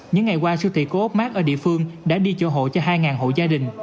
những ngày qua siêu thị của úc mát ở địa phương đã đi chỗ hộ cho hai hộ gia đình